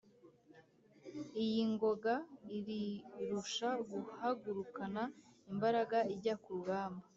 iy’ingoga: irirusha guhagurukana imbaraga ijya ku rugamba